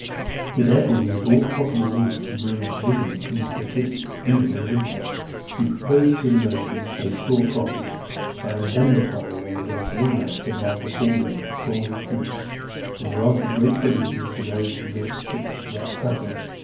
He therefore used all possible means to bring provisions to the city, even in the winter. He proposed to the merchants a sure profit, by indemnifying them against any loss that might befall them by storms at sea; and granted great privileges to those who built ships for that traffic.